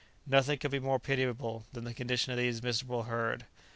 Nothing could be more pitiable than the condition of this miserable herd.